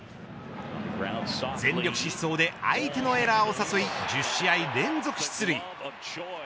全力疾走で相手のエラーを誘い１０試合連続出塁。